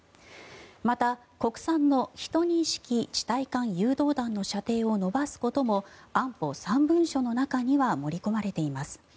また、国産の１２式地対艦誘導弾の射程を延ばすことも安保３文書の中には盛り込まれています。